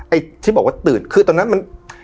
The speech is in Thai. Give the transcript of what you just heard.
ไอ้ที่บอกว่าตื่นคือตอนนั้นมัน